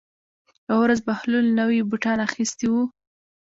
یوه ورځ بهلول نوي بوټان اخیستي وو.